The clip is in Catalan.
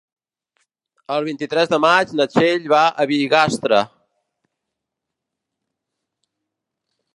El vint-i-tres de maig na Txell va a Bigastre.